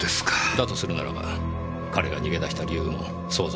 だとするならば彼が逃げ出した理由も想像に難くありません。